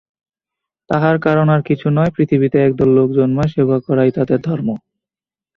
তাহার কারণ আর কিছু নয়, পৃথিবীতে একদল লোক জন্মায় সেবা করাই তাহাদের ধর্ম।